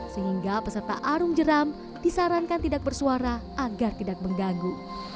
sehingga peserta arung jeram disarankan tidak bersuara agar tidak mengganggu